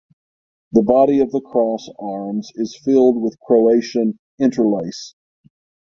The body of the cross arms is filled with Croatian interlace.